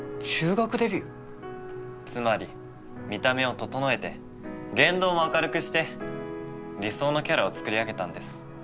つまり見た目を整えて言動も明るくして理想のキャラを作り上げたんです。